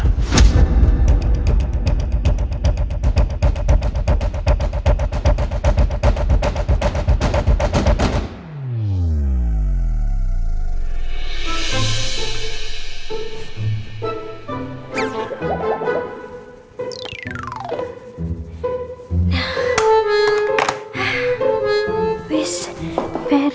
gak akan pernah